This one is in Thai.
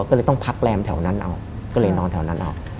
ก็เลยต้องพักแรมแถวนั้นเอาก็เลยนอนแถวนั้นเอา